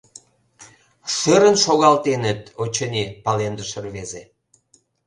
— Шӧрын шогалтеныт, очыни... — палемдыш рвезе.